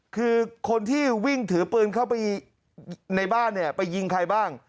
คือคนที่วิ่งถือปืนเข้าไปในบ้านเนี่ยไปยิงใครบ้าง